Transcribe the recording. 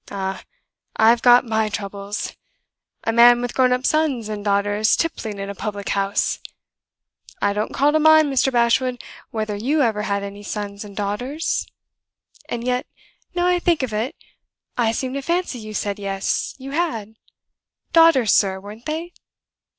Ah, I've got my troubles! A man with grown up sons and daughters tippling in a public house! I don't call to mind, Mr. Bashwood, whether you ever had any sons and daughters? And yet, now I think of it, I seem to fancy you said yes, you had. Daughters, sir, weren't they?